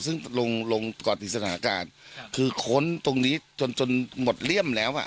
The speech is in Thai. ซึ่งลงก่อนดีสถานะการคิดค้นตรงนี้จนหมดเลี่ยมแล้ว